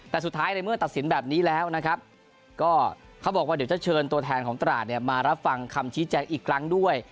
แต่สุดท้ายในเมื่อตัดสินแบบนี้แล้วนะครับก็เขาบอกว่าเดี๋ยวจะเชิญตัวแทนของตราดเนี่ยมารับฟังคำชี้แจงอีกครั้งด้วย